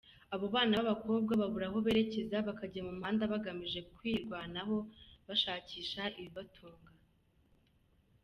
Abo bana b’abakobwa babura aho berekeza bakajya mu muhanda bagamije kwirwanaho bashakisha ibibatunga.